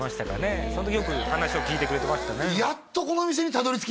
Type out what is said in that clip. そのときによく話を聞いてくれてましたね